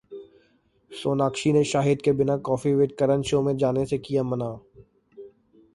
सोनाक्षी ने शाहिद के बिना 'कॉफी विद करण' शो में जाने से किया मना!